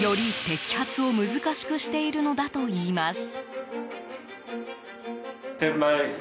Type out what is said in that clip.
摘発を難しくしているのだといいます。